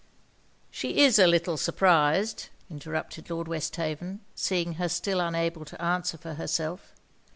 'She is a little surprised,' interrupted Lord Westhaven, seeing her still unable to answer for herself.